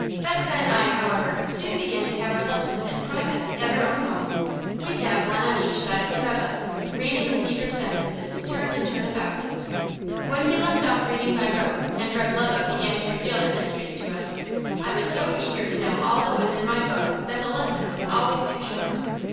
Fetchke and I, however, soon began to have our lessons in private, at our own home. We sat one on each side of the rebbe, reading the Hebrew sentences turn and turn about. When we left off reading by rote and Reb' Lebe began to reveal the mysteries to us, I was so eager to know all that was in my book that the lesson was always too short.